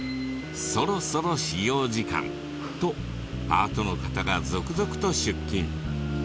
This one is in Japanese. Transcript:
そろそろ始業時間。とパートの方が続々と出勤。